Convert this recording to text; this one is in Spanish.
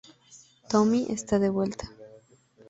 Tomie está de vuelta.